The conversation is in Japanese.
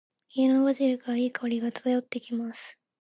家のバジルから、良い香りが漂ってきます。